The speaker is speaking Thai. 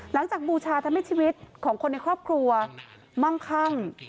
หลังจากบูชาทำให้ชีวิตของคนในครอบครัวมั่งข้าง